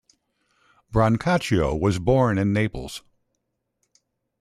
Brancaccio was born in Naples.